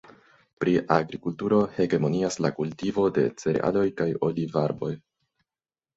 Pri agrikulturo hegemonias la kultivo de cerealoj kaj olivarboj.